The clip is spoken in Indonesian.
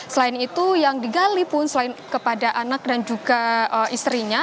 selain itu yang digali pun selain kepada anak dan juga istrinya